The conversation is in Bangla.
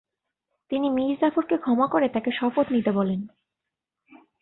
তিনি মীর জাফরকে ক্ষমা করে তাকে শপথ নিতে বলেন।